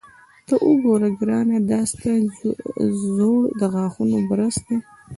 ته وګوره ګرانه، دا ستا زوړ د غاښونو برس دی.